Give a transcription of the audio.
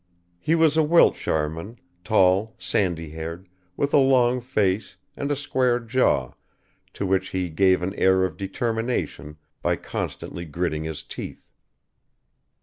He was a Wiltshireman, tall, sandy haired, with a long face and a square jaw to which he gave an air of determination by constantly gritting his teeth.